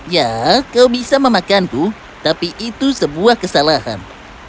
ya kau bisa memakanku tapi itu sebuah kesalahan